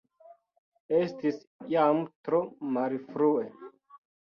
Estis jam tro malfrue.